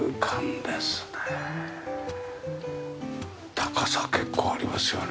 高さ結構ありますよね。